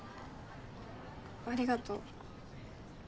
ありがと。